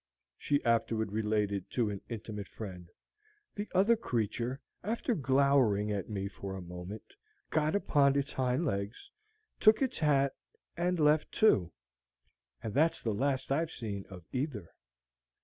she afterward related to an intimate friend, "the other creature, after glowering at me for a moment, got upon its hind legs, took its hat, and left, too; and that's the last I've seen of either."